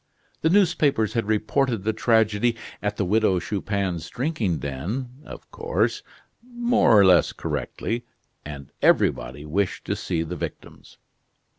The newspapers had reported the tragedy at the Widow Chupin's drinking den, of course, more or less correctly, and everybody wished to see the victims.